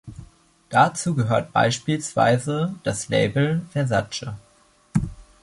Dazu gehört beispielsweise das Label Versace.